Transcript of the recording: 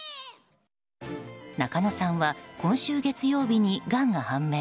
中野さんは今週月曜日に、がんが判明。